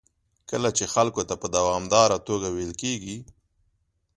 کله چې خلکو ته په دوامداره توګه ویل کېږي